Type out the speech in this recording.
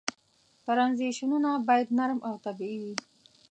ترنزیشنونه باید نرم او طبیعي وي.